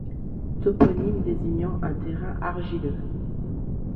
Toponyme désignant un terrain argileux.